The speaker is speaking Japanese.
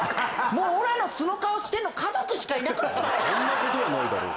もうおらの素の顔知ってんの家族しかいなくなっちまったそんなことはないだろう